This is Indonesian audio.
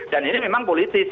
dan ini memang politik